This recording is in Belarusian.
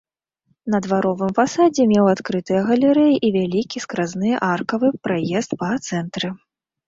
На дваровым фасадзе меў адкрытыя галерэі і вялікі скразны аркавы праезд па цэнтры.